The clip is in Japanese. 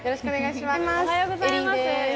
おはようございます。